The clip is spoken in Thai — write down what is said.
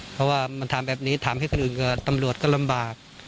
เพราะว่ามันทำแบบนี้ทำให้คนอื่นกับตำรวจก็ลำบาก